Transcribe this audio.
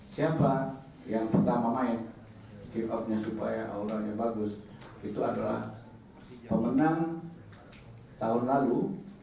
siapa yang pertama main kick offnya supaya awalnya bagus itu adalah pemenang tahun lalu